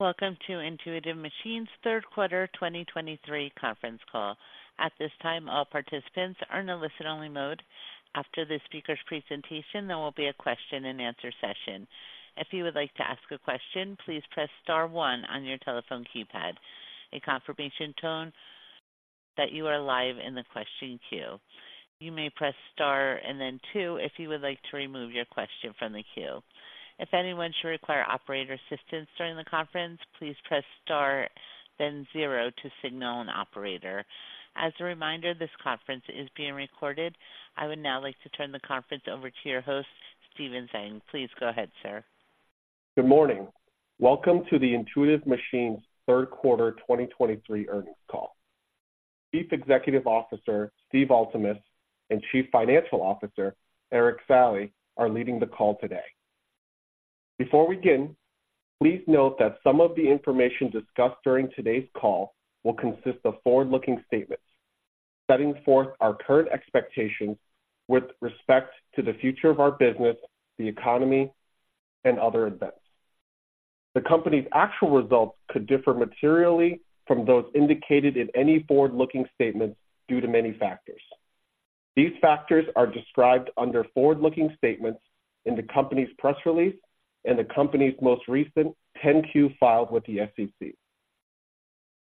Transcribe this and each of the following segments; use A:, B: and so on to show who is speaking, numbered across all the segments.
A: Welcome to Intuitive Machines' third quarter 2023 conference call. At this time, all participants are in a listen-only mode. After the speaker's presentation, there will be a question-and-answer session. If you would like to ask a question, please press star one on your telephone keypad. A confirmation tone that you are live in the question queue. You may press star and then two if you would like to remove your question from the queue. If anyone should require operator assistance during the conference, please press star, then zero to signal an operator. As a reminder, this conference is being recorded. I would now like to turn the conference over to your host, Stephen Zhang. Please go ahead, sir.
B: Good morning. Welcome to the Intuitive Machines third quarter 2023 earnings call. Chief Executive Officer, Steve Altemus, and Chief Financial Officer, Erik Sallee, are leading the call today. Before we begin, please note that some of the information discussed during today's call will consist of forward-looking statements, setting forth our current expectations with respect to the future of our business, the economy, and other events. The company's actual results could differ materially from those indicated in any forward-looking statements due to many factors. These factors are described under forward-looking statements in the company's press release and the company's most recent 10-Q filed with the SEC.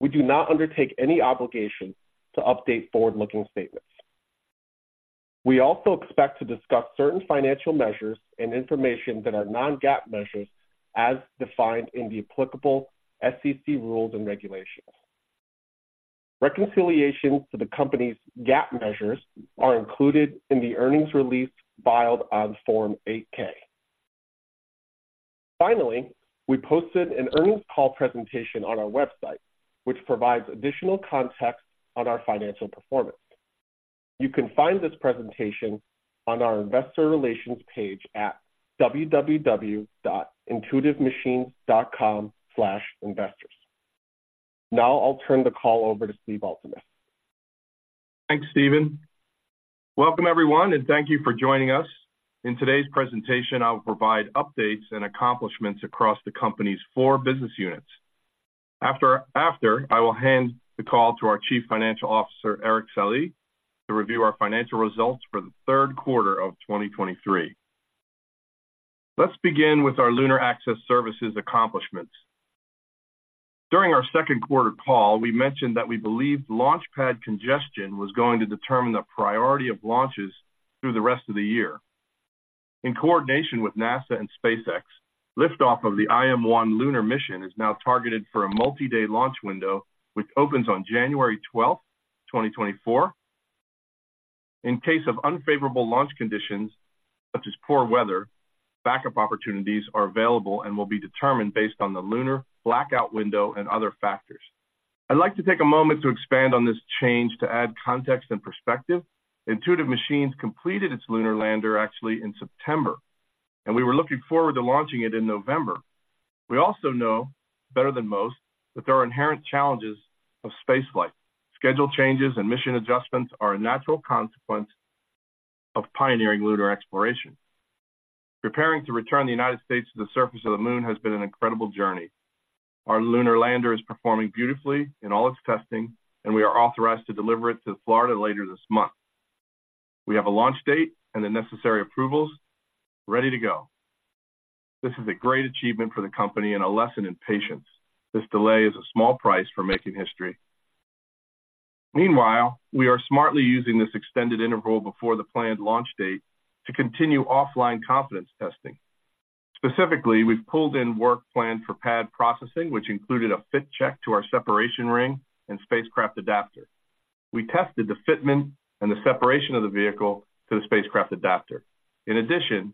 B: We do not undertake any obligation to update forward-looking statements. We also expect to discuss certain financial measures and information that are non-GAAP measures, as defined in the applicable SEC rules and regulations. Reconciliation to the company's GAAP measures are included in the earnings release filed on Form 8-K. Finally, we posted an earnings call presentation on our website, which provides additional context on our financial performance. You can find this presentation on our investor relations page at www.intuitivemachines.com/investors. Now I'll turn the call over to Steve Altemus.
C: Thanks, Stephen. Welcome, everyone, and thank you for joining us. In today's presentation, I will provide updates and accomplishments across the company's four business units. After, I will hand the call to our Chief Financial Officer, Erik Sallee, to review our financial results for the third quarter of 2023. Let's begin with our Lunar Access Services accomplishments. During our second quarter call, we mentioned that we believed launch pad congestion was going to determine the priority of launches through the rest of the year. In coordination with NASA and SpaceX, liftoff of the IM-1 lunar mission is now targeted for a multi-day launch window, which opens on January 12, 2024. In case of unfavorable launch conditions, such as poor weather, backup opportunities are available and will be determined based on the lunar blackout window and other factors. I'd like to take a moment to expand on this change to add context and perspective. Intuitive Machines completed its lunar lander actually in September, and we were looking forward to launching it in November. We also know better than most, that there are inherent challenges of spaceflight. Schedule changes and mission adjustments are a natural consequence of pioneering lunar exploration. Preparing to return the United States to the surface of the Moon has been an incredible journey. Our lunar lander is performing beautifully in all its testing, and we are authorized to deliver it to Florida later this month. We have a launch date and the necessary approvals ready to go. This is a great achievement for the company and a lesson in patience. This delay is a small price for making history. Meanwhile, we are smartly using this extended interval before the planned launch date to continue offline confidence testing. Specifically, we've pulled in work planned for pad processing, which included a fit check to our separation ring and spacecraft adapter. We tested the fitment and the separation of the vehicle to the spacecraft adapter. In addition,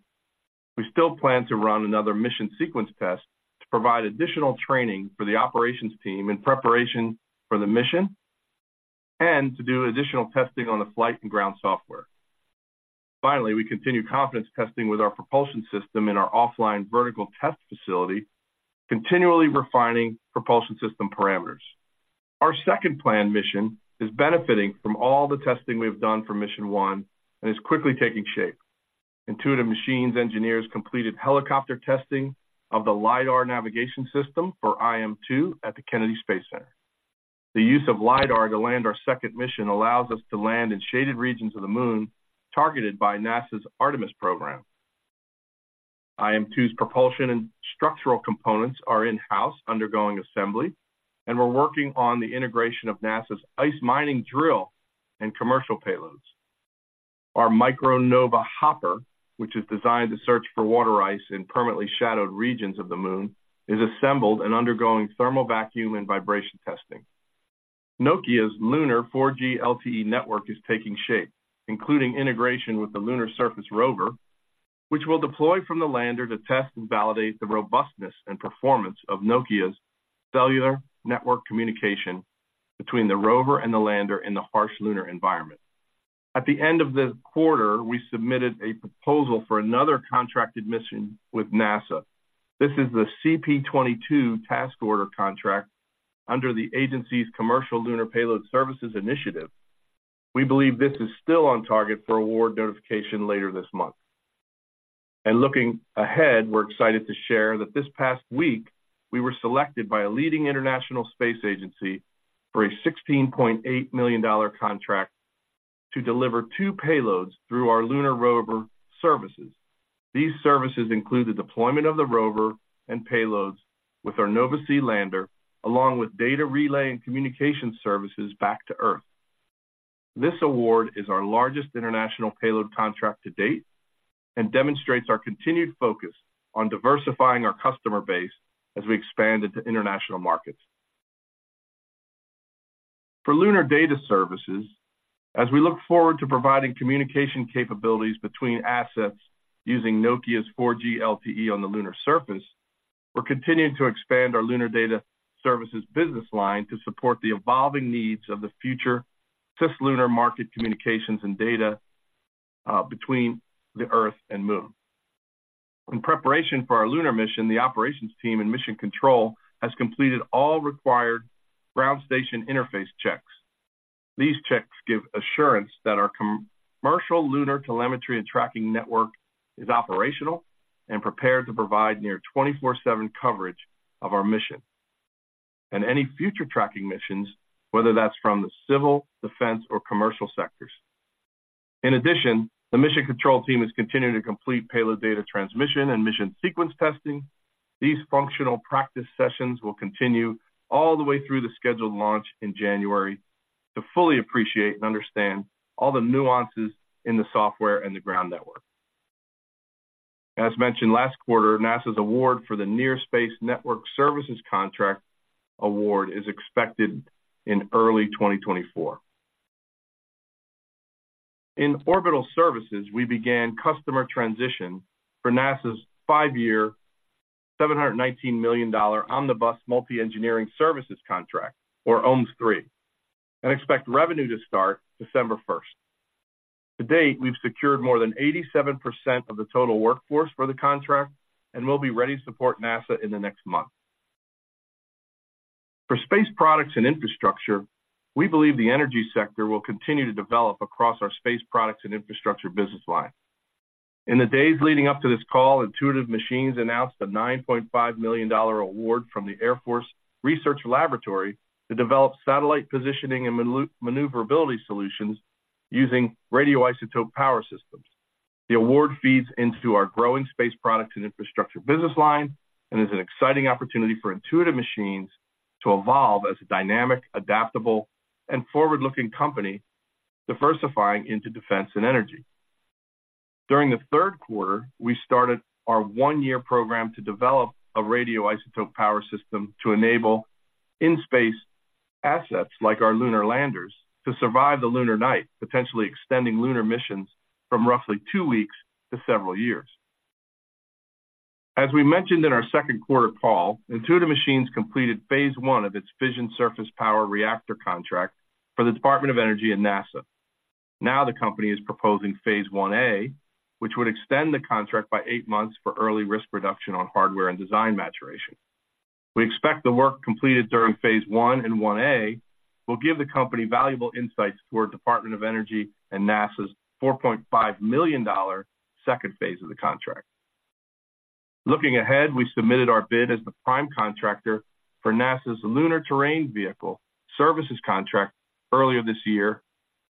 C: we still plan to run another mission sequence test to provide additional training for the operations team in preparation for the mission and to do additional testing on the flight and ground software. Finally, we continue confidence testing with our propulsion system in our offline vertical test facility, continually refining propulsion system parameters. Our second planned mission is benefiting from all the testing we have done for Mission 1 and is quickly taking shape. Intuitive Machines engineers completed helicopter testing of the LIDAR navigation system for IM-2 at the Kennedy Space Center. The use of LIDAR to land our second mission allows us to land in shaded regions of the Moon targeted by NASA's Artemis Program. IM-2's propulsion and structural components are in-house, undergoing assembly, and we're working on the integration of NASA's ice mining drill and commercial payloads. Our Micro-Nova Hopper, which is designed to search for water ice in permanently shadowed regions of the Moon, is assembled and undergoing thermal vacuum and vibration testing. Nokia's lunar 4G LTE network is taking shape, including integration with the lunar surface rover, which will deploy from the lander to test and validate the robustness and performance of Nokia's cellular network communication between the rover and the lander in the harsh lunar environment. At the end of the quarter, we submitted a proposal for another contracted mission with NASA. This is the CP-22 task order contract under the agency's Commercial Lunar Payload Services initiative. We believe this is still on target for award notification later this month. Looking ahead, we're excited to share that this past week, we were selected by a leading international space agency for a $16.8 million contract to deliver two payloads through our lunar rover services. These services include the deployment of the rover and payloads with our Nova-C lander, along with data relay and communication services back to Earth. This award is our largest international payload contract to date, and demonstrates our continued focus on diversifying our customer base as we expand into international markets. For Lunar Data Services, as we look forward to providing communication capabilities between assets using Nokia's 4G LTE on the lunar surface, we're continuing to expand our Lunar Data Services business line to support the evolving needs of the future cislunar market communications and data between the Earth and Moon. In preparation for our lunar mission, the operations team and Mission Control has completed all required ground station interface checks. These checks give assurance that our commercial lunar telemetry and tracking network is operational and prepared to provide near 24/7 coverage of our mission and any future tracking missions, whether that's from the civil, defense, or commercial sectors. In addition, the Mission Control team is continuing to complete payload data transmission and mission sequence testing. These functional practice sessions will continue all the way through the scheduled launch in January to fully appreciate and understand all the nuances in the software and the ground network. As mentioned last quarter, NASA's award for the Near Space Network Services contract award is expected in early 2024. In Orbital Services, we began customer transition for NASA's five-year, $719 million Omnibus Multidiscipline Engineering Services contract, or OMES III, and expect revenue to start December 1st. To date, we've secured more than 87% of the total workforce for the contract and will be ready to support NASA in the next month. For Space Products and Infrastructure, we believe the energy sector will continue to develop across our Space Products and Infrastructure business line. In the days leading up to this call, Intuitive Machines announced a $9.5 million award from the Air Force Research Laboratory to develop satellite positioning and maneuverability solutions using radioisotope power systems. The award feeds into our growing Space Products and Infrastructure business line and is an exciting opportunity for Intuitive Machines to evolve as a dynamic, adaptable, and forward-looking company, diversifying into defense and energy. During the third quarter, we started our one-year program to develop a radioisotope power system to enable in-space assets, like our lunar landers, to survive the lunar night, potentially extending lunar missions from roughly two weeks to several years. As we mentioned in our second quarter call, Intuitive Machines completed Phase 1 of its Fission Surface Power reactor contract for the Department of Energy and NASA. Now, the company is proposing Phase 1A, which would extend the contract by eight months for early risk reduction on hardware and design maturation. We expect the work completed during Phase 1 and 1A will give the company valuable insights for Department of Energy and NASA's $4.5 million second Phase of the contract. Looking ahead, we submitted our bid as the prime contractor for NASA's Lunar Terrain Vehicle Services contract earlier this year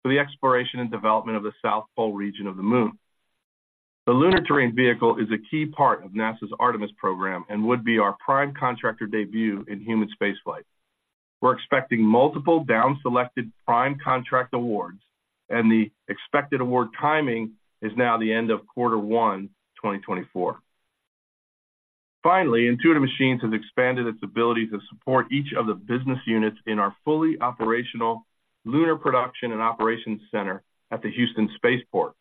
C: for the exploration and development of the South Pole region of the Moon. The Lunar Terrain Vehicle is a key part of NASA's Artemis program and would be our prime contractor debut in human space flight. We're expecting multiple down-selected prime contract awards, and the expected award timing is now the end of quarter one, 2024. Finally, Intuitive Machines has expanded its ability to support each of the business units in our fully operational Lunar Production and Operations Center at the Houston Spaceport.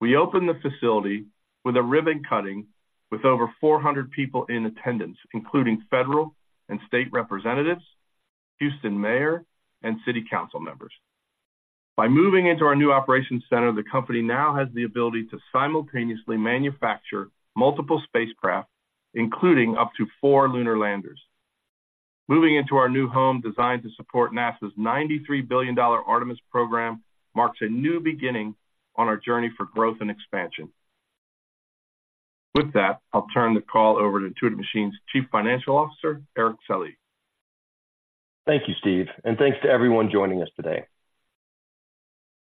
C: We opened the facility with a ribbon cutting with over 400 people in attendance, including federal and state representatives, Houston mayor and city council members. By moving into our new operations center, the company now has the ability to simultaneously manufacture multiple spacecraft, including up to four lunar landers. Moving into our new home, designed to support NASA's $93 billion Artemis program, marks a new beginning on our journey for growth and expansion. With that, I'll turn the call over to Intuitive Machines' Chief Financial Officer, Erik Sallee.
D: Thank you, Steve, and thanks to everyone joining us today.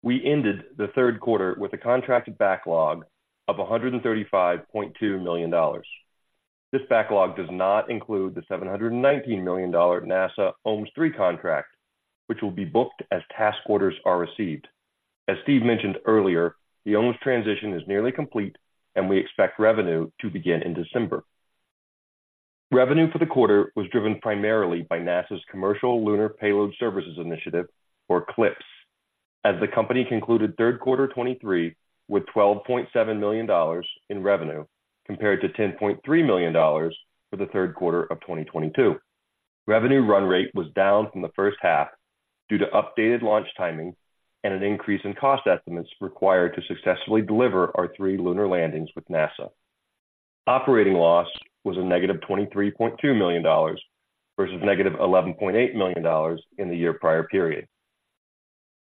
D: We ended the third quarter with a contracted backlog of $135.2 million. This backlog does not include the $719 million NASA OMES III contract, which will be booked as task orders are received. As Steve mentioned earlier, the OMES transition is nearly complete, and we expect revenue to begin in December. Revenue for the quarter was driven primarily by NASA's Commercial Lunar Payload Services initiative, or CLPS, as the company concluded third quarter 2023 with $12.7 million in revenue, compared to $10.3 million for the third quarter of 2022. Revenue run rate was down from the first half due to updated launch timing and an increase in cost estimates required to successfully deliver our three lunar landings with NASA. Operating loss was -$23.2 million, versus -$11.8 million in the year prior period.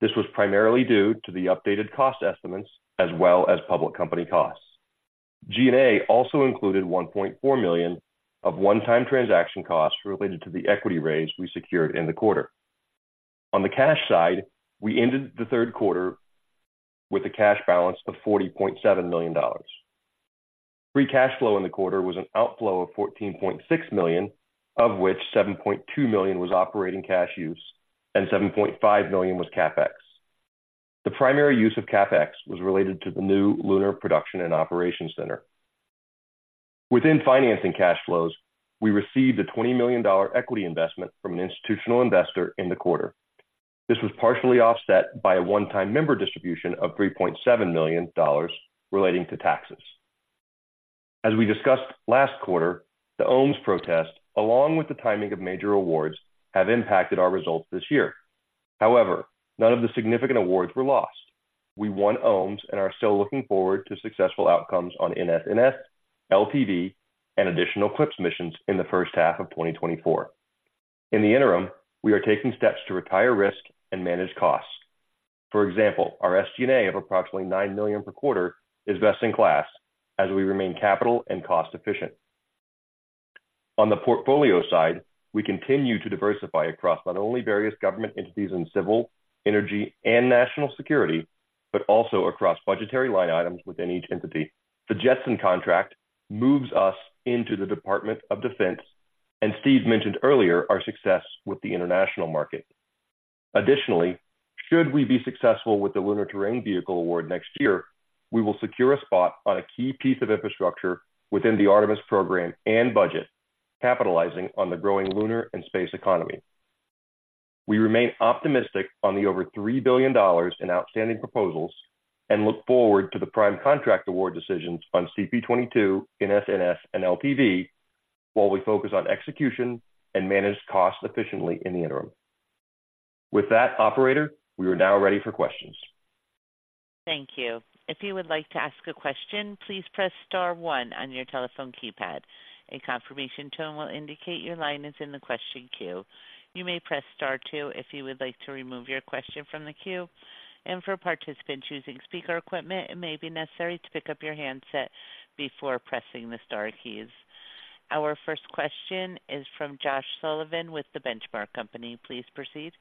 D: This was primarily due to the updated cost estimates as well as public company costs. G&A also included $1.4 million of one-time transaction costs related to the equity raise we secured in the quarter. On the cash side, we ended the third quarter with a cash balance of $40.7 million. Free cash flow in the quarter was an outflow of $14.6 million, of which $7.2 million was operating cash use and $7.5 million was CapEx. The primary use of CapEx was related to the new lunar production and operations center. Within financing cash flows, we received a $20 million equity investment from an institutional investor in the quarter. This was partially offset by a one-time member distribution of $3.7 million relating to taxes. As we discussed last quarter, the OMES III protest, along with the timing of major awards, have impacted our results this year. However, none of the significant awards were lost. We won OMES III and are still looking forward to successful outcomes on NSNS, LTV, and additional CLPS missions in the first half of 2024. In the interim, we are taking steps to retire risk and manage costs. For example, our SG&A of approximately $9 million per quarter is best in class as we remain capital and cost efficient. On the portfolio side, we continue to diversify across not only various government entities in civil, energy, and national security, but also across budgetary line items within each entity. The JETSON Contract moves us into the Department of Defense, and Steve mentioned earlier our success with the international market. Additionally, should we be successful with the Lunar Terrain Vehicle award next year, we will secure a spot on a key piece of infrastructure within the Artemis program and budget, capitalizing on the growing lunar and space economy. We remain optimistic on the over $3 billion in outstanding proposals and look forward to the prime contract award decisions on CP-22, NSNS, and LTV, while we focus on execution and manage costs efficiently in the interim. With that, operator, we are now ready for questions.
A: Thank you. If you would like to ask a question, please press star one on your telephone keypad. A confirmation tone will indicate your line is in the question queue. You may press star two if you would like to remove your question from the queue. For participants using speaker equipment, it may be necessary to pick up your handset before pressing the star keys. Our first question is from Josh Sullivan with The Benchmark Company. Please proceed.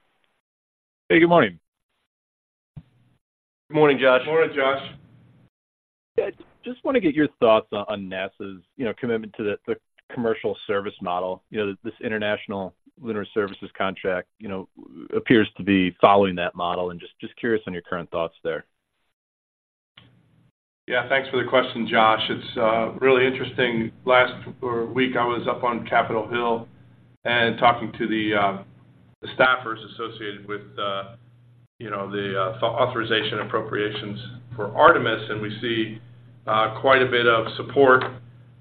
E: Hey, good morning.
D: Good morning, Josh.
F: Good morning, Josh.
E: Just wanted to get your thoughts on NASA's, you know, commitment to the commercial service model. You know, this International Lunar Services contract, you know, appears to be following that model, and just curious on your current thoughts there.
F: Yeah, thanks for the question, Josh. It's really interesting. Last week, I was up on Capitol Hill and talking to the staffers associated with you know, the authorization appropriations for Artemis, and we see quite a bit of support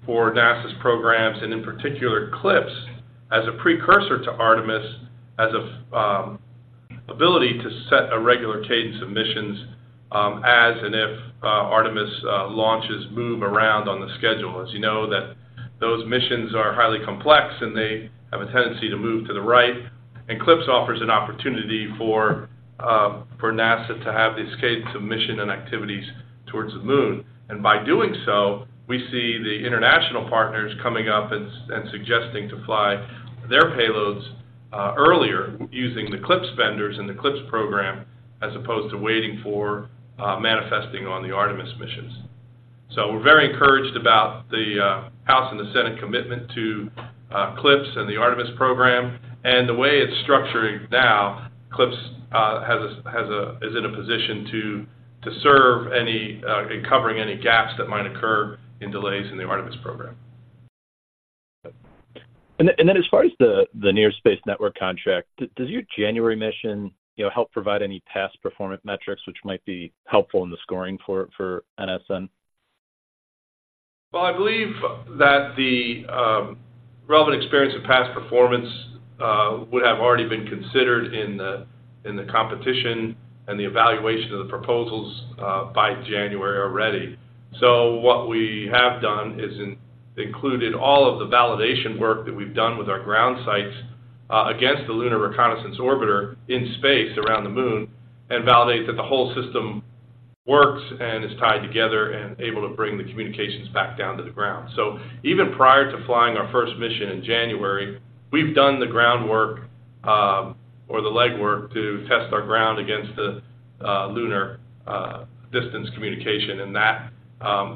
F: for NASA's programs and in particular, CLPS, as a precursor to Artemis, as a ability to set a regular cadence of missions, as and if, Artemis launches move around on the schedule. As you know, that those missions are highly complex, and they have a tendency to move to the right. And CLPS offers an opportunity for, for NASA to have this cadence of mission and activities towards the Moon. By doing so, we see the international partners coming up and suggesting to fly their payloads earlier, using the CLPS vendors and the CLPS program, as opposed to waiting for manifesting on the Artemis missions. So we're very encouraged about the House and the Senate commitment to CLPS and the Artemis program. And the way it's structuring now, CLPS is in a position to serve any in covering any gaps that might occur in delays in the Artemis program.
E: And then, as far as the Near Space Network contract, does your January mission, you know, help provide any past performance metrics which might be helpful in the scoring for NSN?
F: Well, I believe that the relevant experience of past performance would have already been considered in the competition and the evaluation of the proposals by January already. So what we have done is included all of the validation work that we've done with our ground sites against the Lunar Reconnaissance Orbiter in space around the Moon, and validate that the whole system works and is tied together and able to bring the communications back down to the ground. So even prior to flying our first mission in January, we've done the groundwork or the legwork to test our ground against the lunar distance communication, and that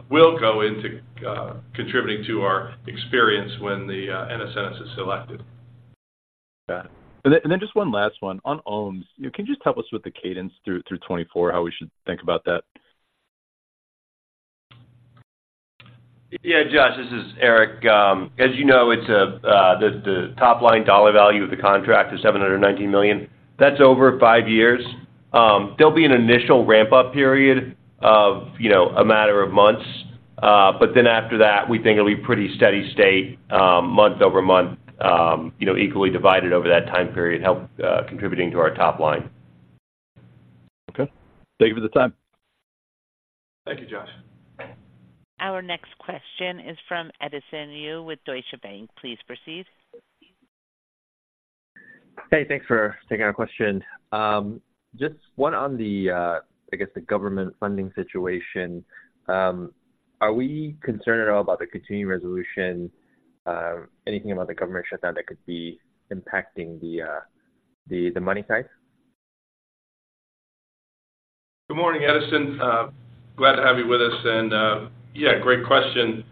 F: will go into contributing to our experience when the NSN is selected.
E: Got it. And then, and then just one last one. On OMES, can you just help us with the cadence through, through 2024, how we should think about that?
D: Yeah, Josh, this is Erik. As you know, it's the top-line dollar value of the contract is $719 million. That's over five years. There'll be an initial ramp-up period of, you know, a matter of months. But then after that, we think it'll be pretty steady state, month-over-month, you know, equally divided over that time period, contributing to our top line.
E: Okay. Thank you for the time....
F: Thank you, Josh.
A: Our next question is from Edison Yu with Deutsche Bank. Please proceed.
G: Hey, thanks for taking our question. Just one on the, I guess, the government funding situation. Are we concerned at all about the Continuing Resolution, anything about the government shutdown that could be impacting the money side?
F: Good morning, Edison. Glad to have you with us. And, yeah, great question.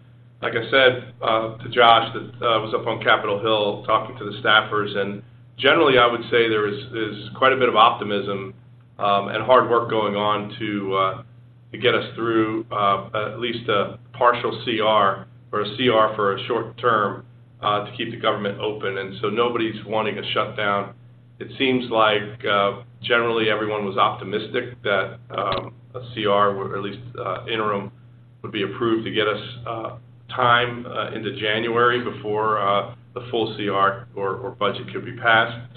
F: Like I said, to Josh, that I was up on Capitol Hill talking to the staffers, and generally, I would say there is quite a bit of optimism, and hard work going on to get us through at least a partial CR or a CR for a short term to keep the government open. And so nobody's wanting a shutdown. It seems like, generally, everyone was optimistic that a CR, or at least interim, would be approved to get us time into January before the full CR or budget could be passed.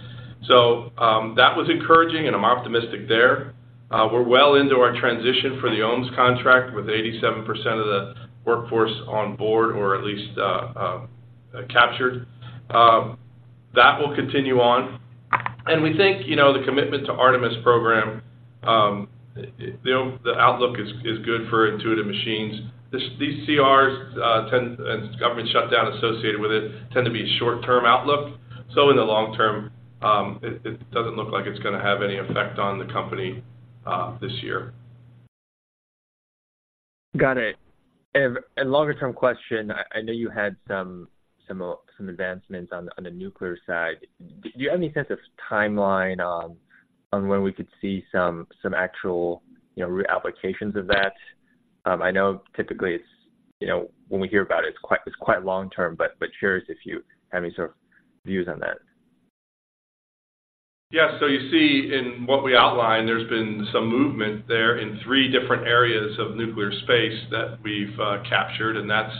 F: So, that was encouraging, and I'm optimistic there. We're well into our transition for the OMES contract, with 87% of the workforce on board or at least captured. That will continue on. We think, you know, the commitment to Artemis program, the outlook is good for Intuitive Machines. These CRs tend, and government shutdown associated with it, tend to be short-term outlook. In the long term, it doesn't look like it's going to have any effect on the company, this year.
G: Got it. And longer-term question, I know you had some advancements on the nuclear side. Do you have any sense of timeline on when we could see some actual, you know, real applications of that? I know typically it's, you know, when we hear about it, it's quite long term, but curious if you have any sort of views on that.
F: Yeah. So you see in what we outlined, there's been some movement there in three different areas of nuclear space that we've captured, and that's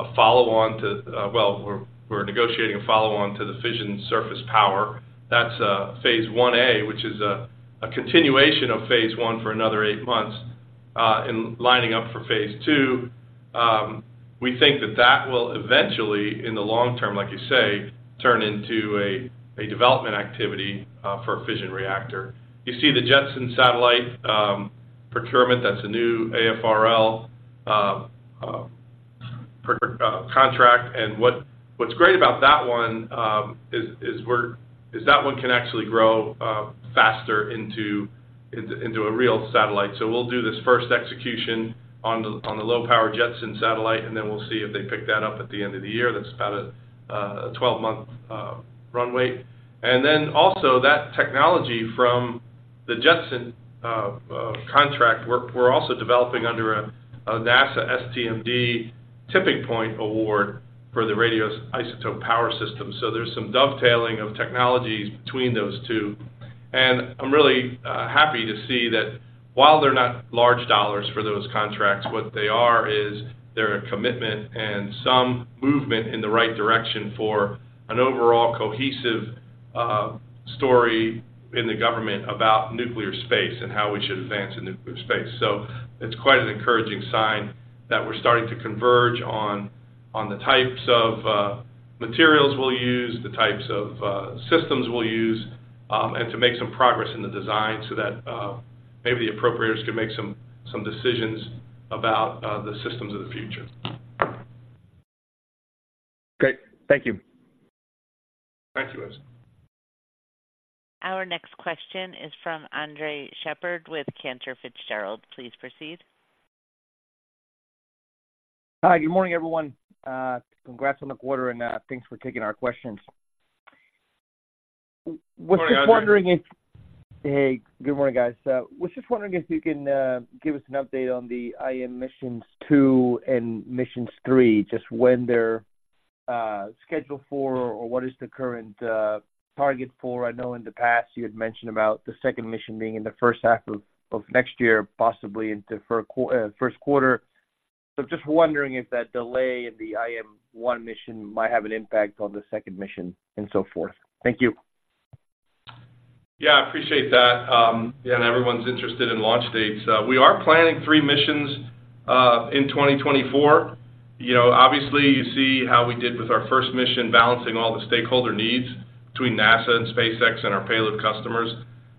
F: a follow-on to... Well, we're negotiating a follow-on to the Fission Surface Power. That's Phase 1A, which is a continuation of Phase 1 for another eight months, and lining up for Phase 2. We think that will eventually, in the long term, like you say, turn into a development activity for a fission reactor. You see the JETSON satellite procurement, that's a new AFRL contract. And what's great about that one is that one can actually grow faster into a real satellite. So we'll do this first execution on the low-power JETSON satellite, and then we'll see if they pick that up at the end of the year. That's about a 12-month runway. And then also that technology from the JETSON contract, we're also developing under a NASA STMD Tipping Point award for the radioisotope power system. So there's some dovetailing of technologies between those two. And I'm really happy to see that while they're not large dollars for those contracts, what they are is, they're a commitment and some movement in the right direction for an overall cohesive story in the government about nuclear space and how we should advance in nuclear space. So it's quite an encouraging sign that we're starting to converge on the types of materials we'll use, the types of systems we'll use, and to make some progress in the design so that maybe the appropriators can make some decisions about the systems of the future.
G: Great. Thank you.
F: Thank you, Edison.
A: Our next question is from Andres Sheppard with Cantor Fitzgerald. Please proceed.
H: Hi, good morning, everyone. Congrats on the quarter, and thanks for taking our questions.
F: Good morning, Andres.
H: Hey, good morning, guys. Was just wondering if you can give us an update on the IM Missions 2 and Missions 3, just when they're scheduled for, or what is the current target for? I know in the past you had mentioned about the second mission being in the first half of next year, possibly into first quarter. So just wondering if that delay in the IM one mission might have an impact on the second mission and so forth. Thank you.
F: Yeah, I appreciate that. Yeah, and everyone's interested in launch dates. We are planning three missions in 2024. You know, obviously, you see how we did with our first mission, balancing all the stakeholder needs between NASA and SpaceX and our payload customers.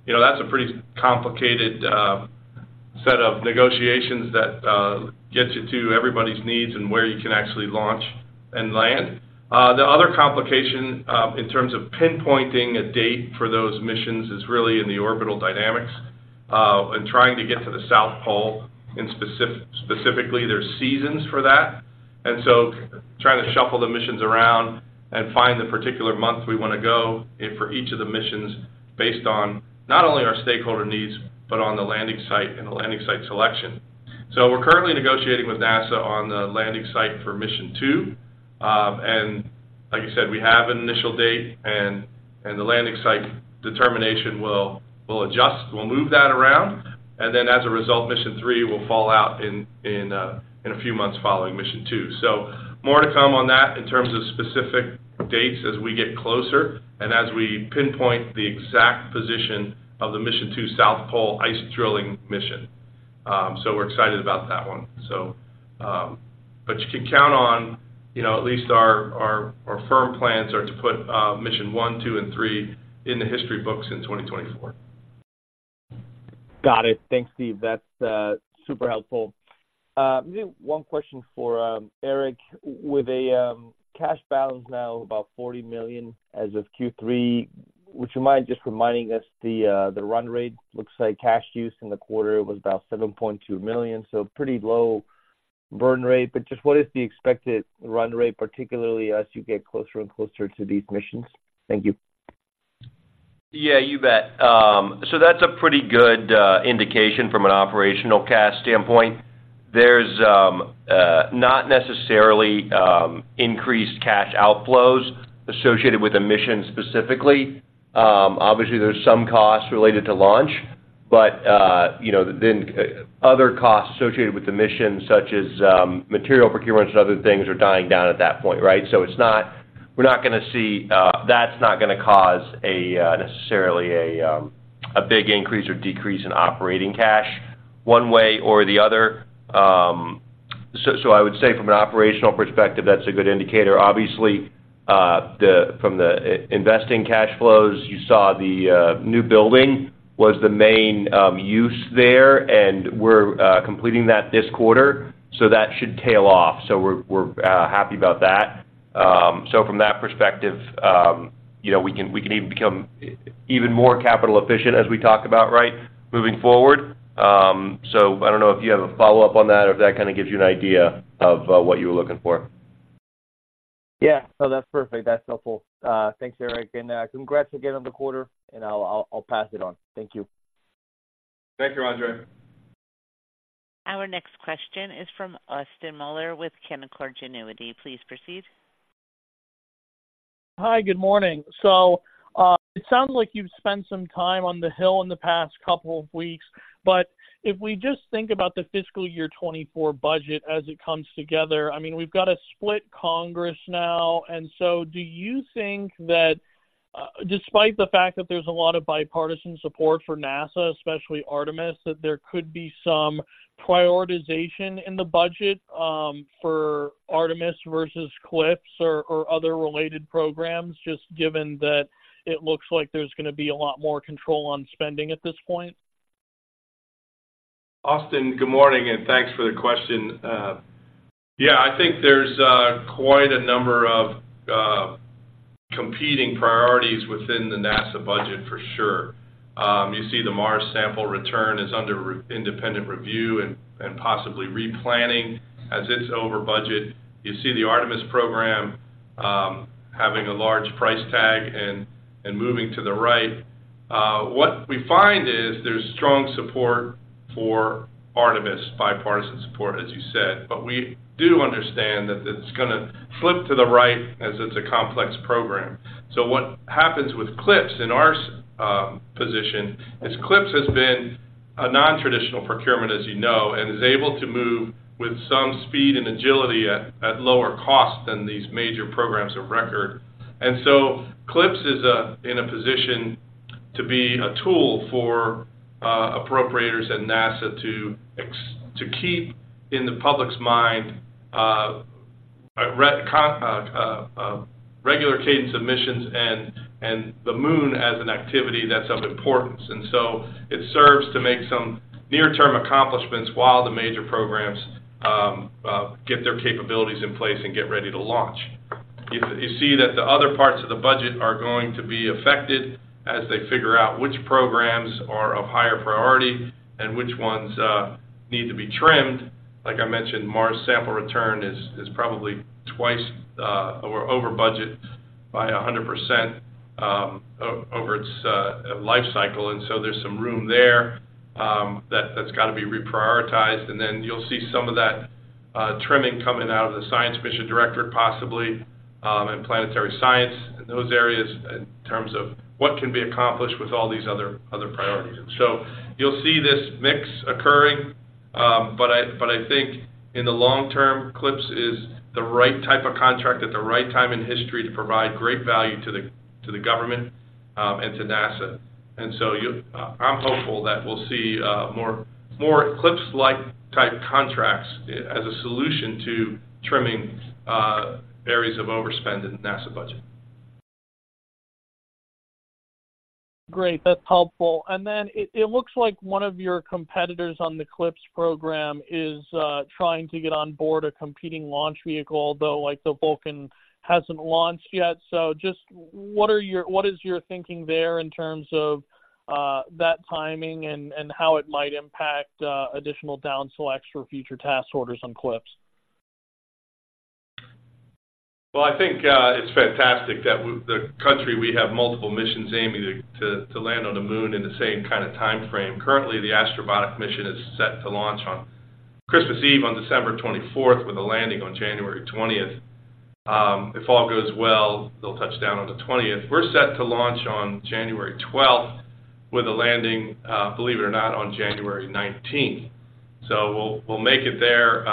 F: You know, that's a pretty complicated set of negotiations that gets you to everybody's needs and where you can actually launch and land. The other complication in terms of pinpointing a date for those missions is really in the orbital dynamics and trying to get to the South Pole, and specifically, there's seasons for that. And so trying to shuffle the missions around and find the particular month we want to go and for each of the missions based on not only our stakeholder needs, but on the landing site and the landing site selection. So we're currently negotiating with NASA on the landing site for Mission 2. And like I said, we have an initial date, and the landing site determination will adjust. We'll move that around, and then as a result, Mission 3 will fall out in a few months following Mission 2. So more to come on that in terms of specific dates as we get closer and as we pinpoint the exact position of the Mission 2 South Pole ice drilling mission... So we're excited about that one. So, but you can count on, you know, at least our firm plans are to put Mission 1, 2, and 3 in the history books in 2024.
H: Got it. Thanks, Steve. That's super helpful. Maybe one question for Erik. With a cash balance now about $40 million as of Q3, would you mind just reminding us the run rate? Looks like cash use in the quarter was about $7.2 million, so pretty low burn rate. But just what is the expected run rate, particularly as you get closer and closer to these missions? Thank you.
D: Yeah, you bet. So that's a pretty good indication from an operational cash standpoint. There's not necessarily increased cash outflows associated with a mission specifically. Obviously, there's some costs related to launch, but you know, then other costs associated with the mission, such as material procurements and other things, are dying down at that point, right? So it's not-- we're not gonna see, that's not gonna cause a necessarily a big increase or decrease in operating cash one way or the other. So I would say from an operational perspective, that's a good indicator. Obviously, the from the investing cash flows, you saw the new building was the main use there, and we're completing that this quarter, so that should tail off. So we're happy about that. So from that perspective, you know, we can, we can even become even more capital efficient as we talk about, right, moving forward. So I don't know if you have a follow-up on that or if that kind of gives you an idea of what you were looking for.
H: Yeah. No, that's perfect. That's helpful. Thanks, Erik, and congrats again on the quarter, and I'll pass it on. Thank you.
D: Thank you, Andres.
A: Our next question is from Austin Moeller with Canaccord Genuity. Please proceed.
I: Hi, good morning. So, it sounds like you've spent some time on the Hill in the past couple of weeks, but if we just think about the fiscal year 2024 budget as it comes together, I mean, we've got a split Congress now. And so do you think that, despite the fact that there's a lot of bipartisan support for NASA, especially Artemis, that there could be some prioritization in the budget, for Artemis versus CLPS or, or other related programs, just given that it looks like there's gonna be a lot more control on spending at this point?
F: Austin, good morning, and thanks for the question. Yeah, I think there's quite a number of competing priorities within the NASA budget, for sure. You see the Mars Sample Return is under independent review and possibly replanning as it's over budget. You see the Artemis program having a large price tag and moving to the right. What we find is there's strong support for Artemis, bipartisan support, as you said, but we do understand that it's gonna flip to the right as it's a complex program. So what happens with CLPS, in our position, is CLPS has been a nontraditional procurement, as you know, and is able to move with some speed and agility at lower cost than these major programs of record. And so CLPS is in a position to be a tool for appropriators and NASA to keep in the public's mind a regular cadence of missions and the Moon as an activity that's of importance. And so it serves to make some near-term accomplishments while the major programs get their capabilities in place and get ready to launch. You see that the other parts of the budget are going to be affected as they figure out which programs are of higher priority and which ones need to be trimmed. Like I mentioned, Mars Sample Return is probably twice or over budget by 100%, over its life cycle, and so there's some room there that's got to be reprioritized. Then you'll see some of that trimming coming out of the Science Mission Directorate, possibly, and planetary science and those areas in terms of what can be accomplished with all these other priorities. So you'll see this mix occurring, but I think in the long term, CLPS is the right type of contract at the right time in history to provide great value to the government and to NASA. So I'm hopeful that we'll see more CLPS-like type contracts as a solution to trimming areas of overspend in the NASA budget.
I: Great, that's helpful. And then it looks like one of your competitors on the CLPS program is trying to get on board a competing launch vehicle, though, like the Vulcan hasn't launched yet. So just what are your-- what is your thinking there in terms of that timing and how it might impact additional down selects for future task orders on CLPS?
F: Well, I think it's fantastic that the country, we have multiple missions aiming to land on the Moon in the same kind of time frame. Currently, the Astrobotic mission is set to launch on Christmas Eve, on December 24th, with a landing on January 20th. If all goes well, they'll touch down on the 20th. We're set to launch on January 12th, with a landing, believe it or not, on January 19th. So we'll make it there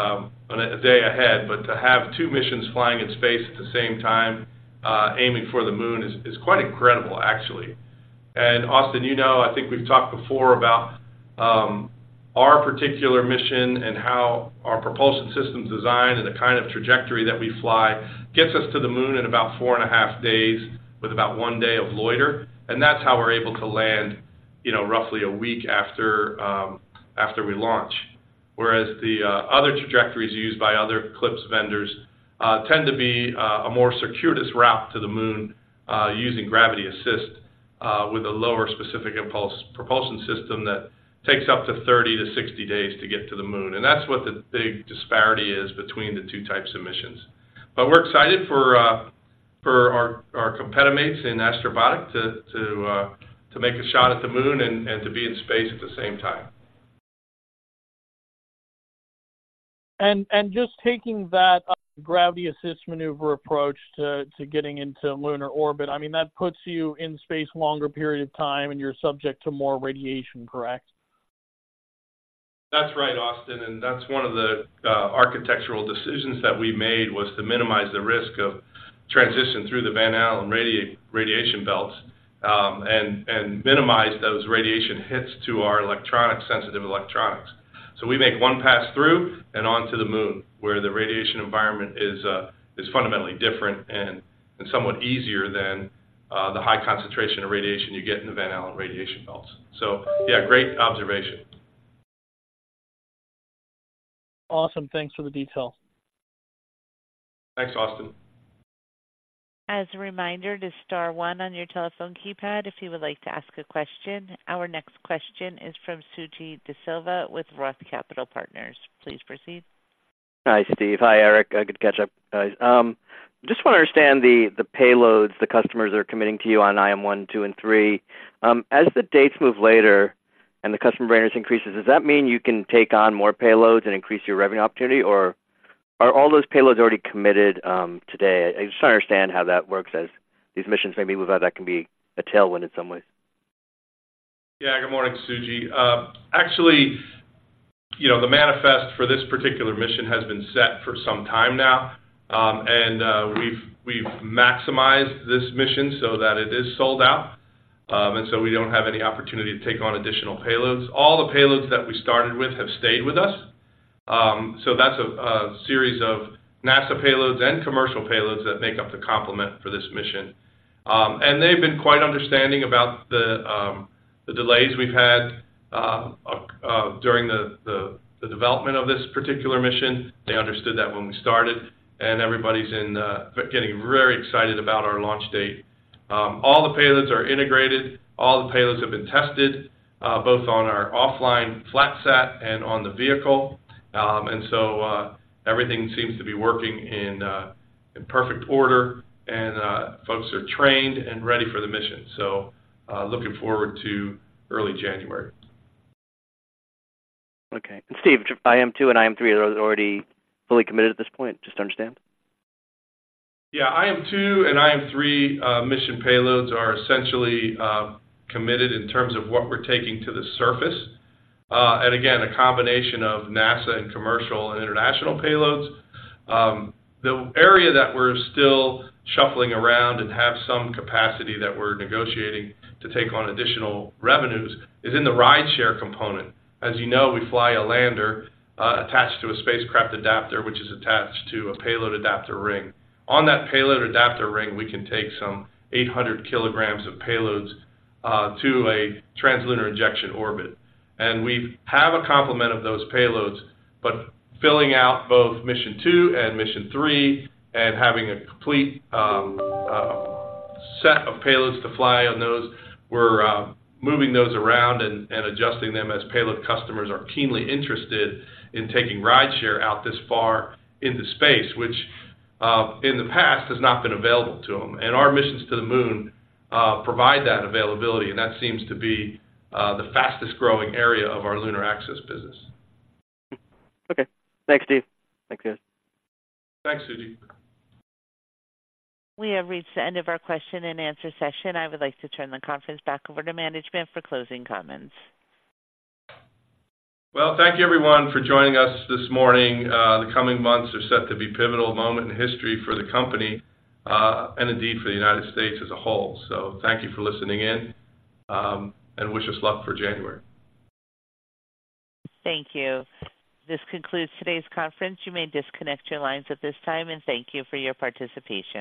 F: on a day ahead, but to have two missions flying in space at the same time aiming for the Moon is quite incredible, actually. And Austin, you know, I think we've talked before about our particular mission and how our propulsion system's design and the kind of trajectory that we fly gets us to the Moon in about four and half days with about one day of loiter. And that's how we're able to land, you know, roughly a week after we launch. Whereas the other trajectories used by other CLPS vendors tend to be a more circuitous route to the Moon using gravity assist with a lower specific impulse propulsion system that takes up to 30-60 days to get to the Moon. That's what the big disparity is between the two types of missions. But we're excited for our competitors in Astrobotic to make a shot at the Moon and to be in space at the same time.
I: Just taking that gravity assist maneuver approach to getting into lunar orbit, I mean, that puts you in space longer period of time, and you're subject to more radiation, correct?
F: That's right, Austin, and that's one of the architectural decisions that we made, was to minimize the risk of transition through the Van Allen Radiation Belts, and minimize those radiation hits to our electronics, sensitive electronics. So we make one pass through and on to the Moon, where the radiation environment is fundamentally different and somewhat easier than the high concentration of radiation you get in the Van Allen Radiation Belts. So yeah, great observation.
I: Awesome. Thanks for the detail.
F: Thanks, Austin.
A: As a reminder to star one on your telephone keypad if you would like to ask a question. Our next question is from Suji Desilva with Roth Capital Partners. Please proceed.
J: Hi, Steve. Hi, Eric. Good to catch up, guys. Just want to understand the payloads the customers are committing to you on IM-1, 2, and 3. As the dates move later and the customer variance increases, does that mean you can take on more payloads and increase your revenue opportunity, or are all those payloads already committed today? I just want to understand how that works as these missions may be moved out, that can be a tailwind in some ways.
F: Yeah. Good morning, Suji. Actually, you know, the manifest for this particular mission has been set for some time now. And we've maximized this mission so that it is sold out. And so we don't have any opportunity to take on additional payloads. All the payloads that we started with have stayed with us. So that's a series of NASA payloads and commercial payloads that make up the complement for this mission. And they've been quite understanding about the delays we've had during the development of this particular mission. They understood that when we started, and everybody's getting very excited about our launch date. All the payloads are integrated. All the payloads have been tested both on our offline flat sat and on the vehicle. And so, everything seems to be working in perfect order, and folks are trained and ready for the mission, so looking forward to early January.
J: Okay. And Steve, IM-2 and IM-3 are those already fully committed at this point? Just to understand.
F: Yeah. IM-2 and IM-3 mission payloads are essentially committed in terms of what we're taking to the surface. And again, a combination of NASA and commercial and international payloads. The area that we're still shuffling around and have some capacity that we're negotiating to take on additional revenues is in the rideshare component. As you know, we fly a lander attached to a spacecraft adapter, which is attached to a payload adapter ring. On that payload adapter ring, we can take some 800 kg of payloads to a Trans-Lunar Injection orbit. We have a complement of those payloads, but filling out both mission two and mission three and having a complete set of payloads to fly on those, we're moving those around and adjusting them as payload customers are keenly interested in taking rideshare out this far into space, which in the past has not been available to them. And our missions to the Moon provide that availability, and that seems to be the fastest growing area of our Lunar Access Business.
J: Okay. Thanks, Steve. Thanks, guys.
F: Thanks, Suji.
A: We have reached the end of our question and answer session. I would like to turn the conference back over to management for closing comments.
F: Well, thank you, everyone, for joining us this morning. The coming months are set to be a pivotal moment in history for the company, and indeed for the United States as a whole. So thank you for listening in, and wish us luck for January.
A: Thank you. This concludes today's conference. You may disconnect your lines at this time, and thank you for your participation.